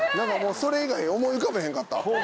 それ以外思い浮かばへんかった。